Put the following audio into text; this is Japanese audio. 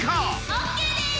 ＯＫです。